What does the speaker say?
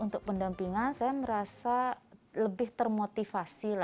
untuk pendampingan saya merasa lebih termotivasi